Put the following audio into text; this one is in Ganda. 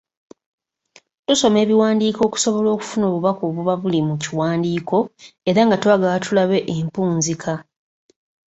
Tusoma ebiwandiiko okusobola okufuna obubaka obuba buli mu kiwandiiko era nga twagala tulabe empunzika.